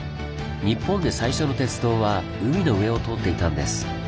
日本で最初の鉄道は海の上を通っていたんです。